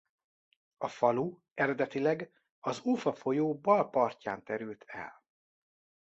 A falu eredetileg az Ufa folyó bal partján terült el.